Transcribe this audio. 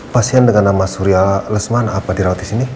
pasien dengan nama surya lesman apa dirawat di sini